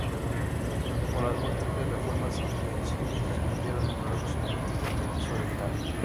Con las múltiples reformas del cine se perdieron numerosos elementos del edificio original.